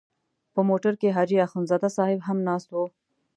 په موټر کې حاجي اخندزاده صاحب هم ناست و.